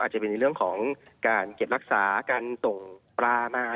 จะเป็นในเรื่องของการเก็บรักษาการส่งปลามา